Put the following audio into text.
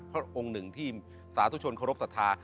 เพราะองค์หนึ่งที่สาธุชนครบศรัทธา